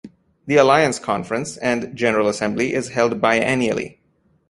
The Alliance conference and general assembly is held biennially.